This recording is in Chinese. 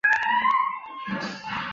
氟硼酸亚锡可以用于锡的电镀。